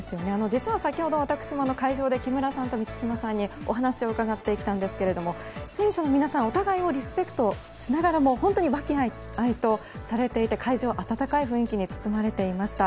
実は先ほど私も会場で木村さんと満島さんにお話を伺ってきたんですが出演者の皆さんお互いをリスペクトしながらも本当に和気あいあいとされていて会場は温かい雰囲気に包まれていました。